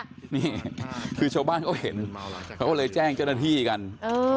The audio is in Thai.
นี่คือชาวบ้านเขาเห็นเขาก็เลยแจ้งเจ้าหน้าที่กันเออ